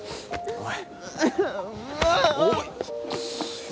おい！